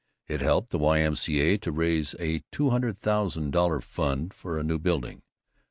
It helped the Y.M.C.A. to raise a two hundred thousand dollar fund for a new building.